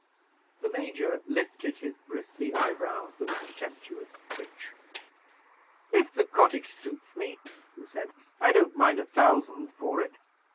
The Major lifted his bristly eyebrows with a contemptuous twitch. "If the cottage suits me," he said, "I don't mind a thousand for it.